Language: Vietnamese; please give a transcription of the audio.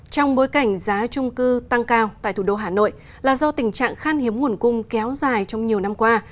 trong bối cảnh giá trung cư tăng cao tại thủ đô hà nội là do tình trạng khan hiếm nguồn cung kéo dài trong nhiều năm qua